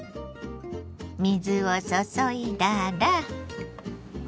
水を注いだら。